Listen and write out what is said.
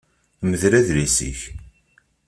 Mdel adlis-ik.